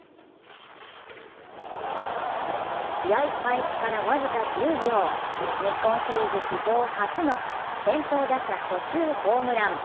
試合開始から僅か１０秒、日本シリーズ史上初の先頭打者初球ホームラン。